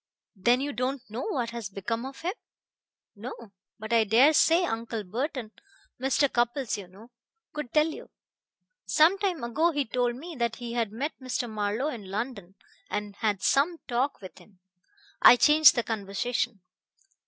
"Then you don't know what has become of him?" "No: but I dare say Uncle Burton Mr. Cupples, you know could tell you. Some time ago he told me that he had met Mr. Marlowe in London, and had some talk with him. I changed the conversation."